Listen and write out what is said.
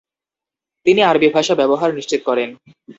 তিনি আরবী ভাষার ব্যবহার নিশ্চিত করেন।